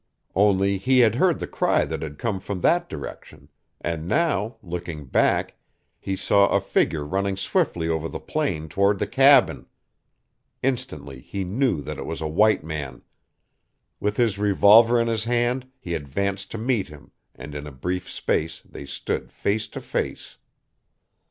Only he had heard the cry that had come from that direction, and now, looking back, he saw a figure running swiftly over the plain toward the cabin. Instantly he knew that it was a white man. With his revolver in his hand he advanced to meet him and in a brief space they stood face to face.